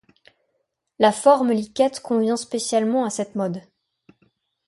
La forme liquette convient spécialement à cette mode.